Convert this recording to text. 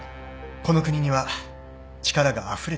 この国には力があふれてる。